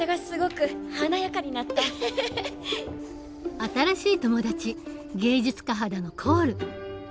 新しい友達芸術家肌のコール。